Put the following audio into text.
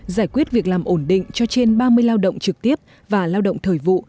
giải quyết việc làm ổn định cho trên ba mươi lao động trực tiếp và lao động thời vụ